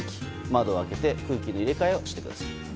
窓を開けて空気の入れ替えをしてください。